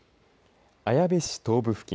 綾部市東部付近